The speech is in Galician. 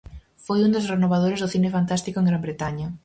Foi un dos renovadores do cine fantástico en Gran Bretaña.